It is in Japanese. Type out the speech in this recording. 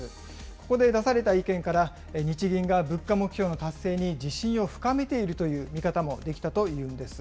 ここで出された意見から、日銀が物価目標の達成に自信を深めているという見方もできたというんです。